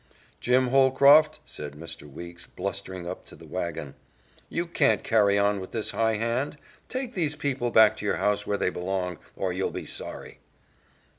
"Jim Holcroft," said Mr. Weeks, blustering up to the wagon, "you can't carry on with this high hand. Take these people back to your house where they belong, or you'll be sorry."